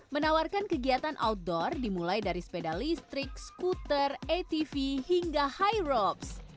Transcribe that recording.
menawarkan kegiatan outdoor dimulai dari sepeda listrik skuter atv hingga high robs